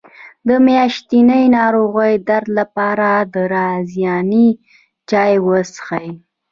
د میاشتنۍ ناروغۍ درد لپاره د رازیانې چای وڅښئ